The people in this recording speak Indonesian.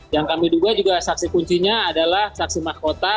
yang kami duga juga saksi kuncinya adalah saksi mahkota